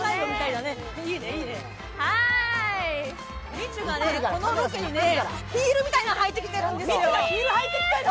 みちゅがこのロケにヒールみたいなの、はいてきてるんですよ。